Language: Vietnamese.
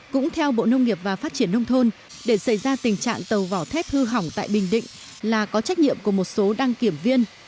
cũng theo bộ nông nghiệp và phát triển nông thôn để xảy ra tình trạng tàu vỏ thép hư hỏng tại bình định là có trách nhiệm của một số đăng kiểm viên